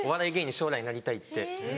将来なりたいって。